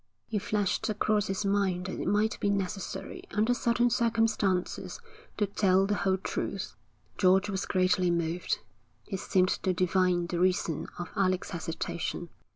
It flashed across his mind that it might be necessary under certain circumstances to tell the whole truth. George was greatly moved. He seemed to divine the reason of Alec's hesitation.